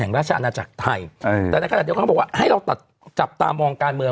แห่งราชาอาณาจักรไทยแต่ในขณะเดียวเค้าบอกว่าให้เราจับตาการเมือง